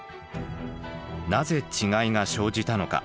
なぜ違いが生じたのか。